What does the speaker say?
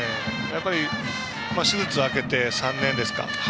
手術明けて３年ですか。